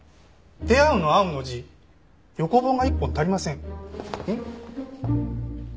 「出逢う」の「逢う」の字横棒が１本足りません。